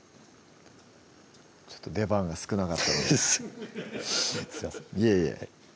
ちょっと出番が少なかったのですいませんいえいえ